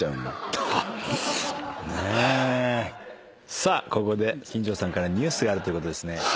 さあここで金城さんからニュースがあるということですね。